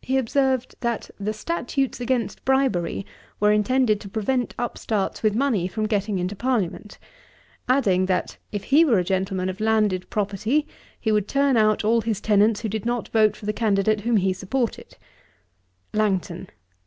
He observed, that 'the statutes against bribery were intended to prevent upstarts with money from getting into Parliament;' adding, that 'if he were a gentleman of landed property, he would turn out all his tenants who did not vote for the candidate whom he supported.' LANGTON.